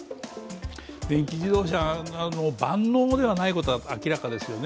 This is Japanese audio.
電気自動車は万能ではないことは明らかですよね。